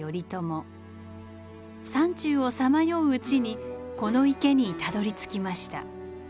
山中をさまよううちにこの池にたどりつきました。